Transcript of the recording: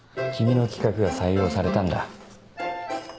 君の企画が採用されたんだ。